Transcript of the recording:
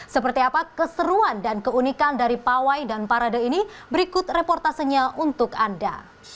seperti apa keseruan dan keunikan dari pawai dan parade ini berikut reportasenya untuk anda